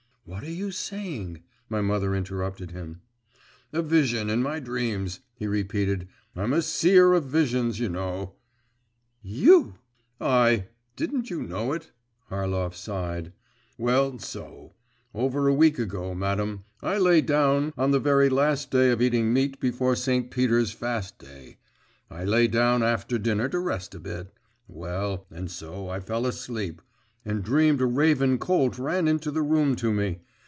'What are you saying?' my mother interrupted him. 'A vision in my dreams,' he repeated 'I'm a seer of visions, you know!' 'You!' 'I. Didn't you know it?' Harlov sighed. 'Well, so.… Over a week ago, madam, I lay down, on the very last day of eating meat before St. Peter's fast day; I lay down after dinner to rest a bit, well, and so I fell asleep, and dreamed a raven colt ran into the room to me.